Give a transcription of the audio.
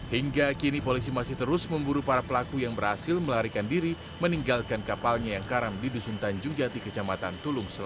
hingga kini polisi masih terus memburu para pelaku yang berhasil melarikan diri meninggalkan kapalnya yang karam di dusun tanjung jati kecamatan tulung